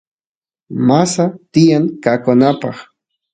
masa tiyan qoqanapaq